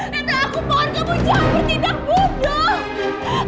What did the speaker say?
reno aku mohon kamu jangan bertindak bodoh